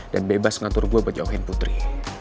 dan bebas ngatur gue berjauhin putri